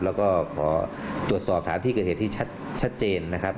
แล้วก็ขอตรวจสอบฐานที่เกิดเหตุที่ชัดเจนนะครับ